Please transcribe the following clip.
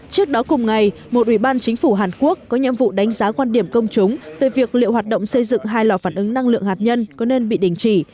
trước đó cùng ngày một ủy ban chính phủ hàn quốc có nhiệm vụ đánh giá quan điểm công chúng về việc liệu hoạt động xây dựng hai lò phản ứng năng lượng hạt nhân có nên bị đình chỉ